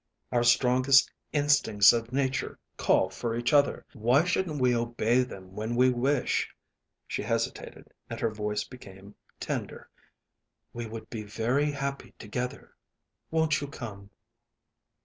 Our strongest instincts of nature call for each other. Why shouldn't we obey them when we wish?" She hesitated, and her voice became tender. "We would be very happy together. Won't you come?"